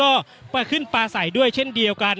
อย่างที่บอกไปว่าเรายังยึดในเรื่องของข้อ